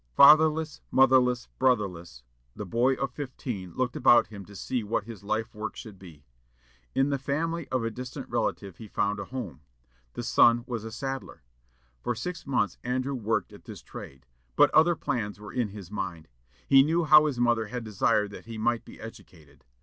Fatherless, motherless, brotherless, the boy of fifteen looked about him to see what his life work should be. In the family of a distant relative he found a home. The son was a saddler. For six months Andrew worked at this trade. But other plans were in his mind. He knew how his mother had desired that he might be educated.